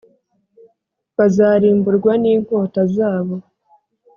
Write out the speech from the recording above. Bazarimburwa n’inkota zabo